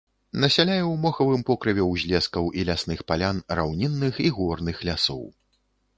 Насяляе ў мохавым покрыве узлескаў і лясных палян раўнінных і горных лясоў.